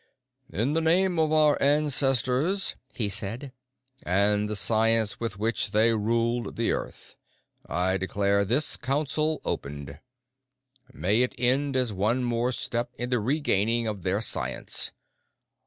"In the name of our ancestors," he said, "and the science with which they ruled the Earth, I declare this council opened. May it end as one more step in the regaining of their science.